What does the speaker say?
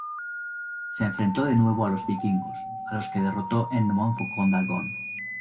Se enfrentó de nuevo a los vikingos a los que derrotó en Montfaucon-d'Argonne.